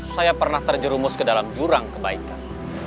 saya pernah terjerumus ke dalam jurang kebaikan